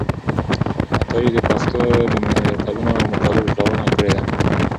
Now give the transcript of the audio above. عطايي د پښتو د متلونو او مقالو راټولونه کړې ده.